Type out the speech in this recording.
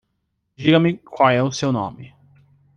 Diga-me qual é o seu nome.